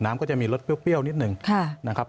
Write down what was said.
น้ำก็จะมีรสเปรี้ยวนิดหนึ่งนะครับ